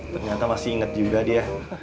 ternyata masih ingat juga dia